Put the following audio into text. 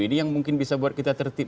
ini yang mungkin bisa buat kita tertib